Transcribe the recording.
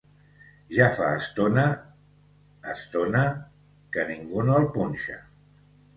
Ja fa estona estona que ningú no el punxa.